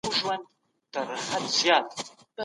که سوداګري وده وکړي، فقر به کم سي.